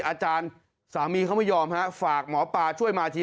อาจารย์สามีเขาไม่ยอมฮะฝากหมอปลาช่วยมาที